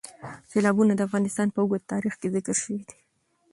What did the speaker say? سیلابونه د افغانستان په اوږده تاریخ کې ذکر شوی دی.